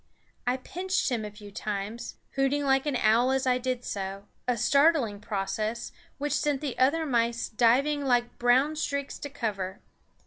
I pinched him a few times, hooting like an owl as I did so, a startling process, which sent the other mice diving like brown streaks to cover.